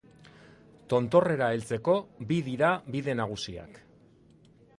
Tontorrera heltzeko bi dira bide nagusiak.